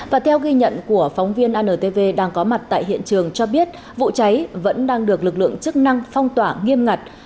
và theo ghi nhận của phóng viên antv đang có mặt tại hiện trường cho biết vụ cháy vẫn đang được lực lượng chức năng phong tỏa nghiêm ngặt